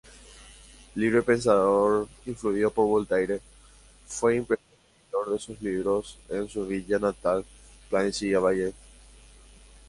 Libre pensador influido por Voltaire, fue impresor-editor de libros en su villa natal Plancy-l'Abbaye.